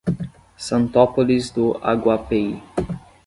Santópolis do Aguapeí